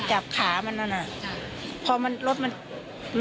จับขามันนั่นอ่ะ